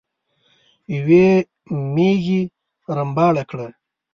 يوې ميږې رمباړه کړه.